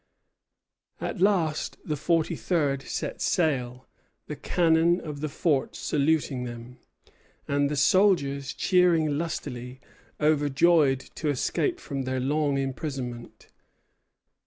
At last the forty third set sail, the cannon of the fort saluting them, and the soldiers cheering lustily, overjoyed to escape from their long imprisonment.